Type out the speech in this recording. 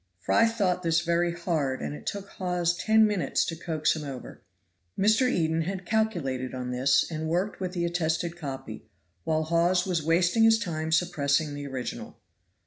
Fry thought this very hard, and it took Hawes ten minutes to coax him over. Mr. Eden had calculated on this, and worked with the attested copy, while Hawes was wasting his time suppressing the original.